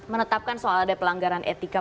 menetapkan soal ada pelanggaran etika